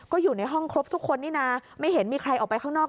ก็อยู่ในห้องครบทุกคนนี่นะไม่เห็นมีใครออกไปข้างนอก